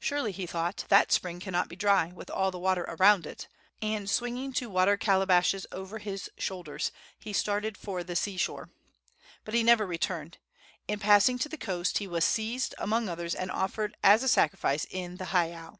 "Surely," he thought, "that spring cannot be dry, with all the water around it." And, swinging two water calabashes over his shoulders, he started for the sea shore. But he never returned. In passing to the coast he was seized, among others, and offered as a sacrifice in the heiau.